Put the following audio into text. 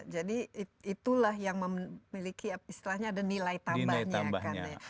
jadi itulah yang memiliki nilai tambahnya